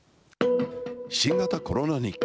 新型コロナ日記。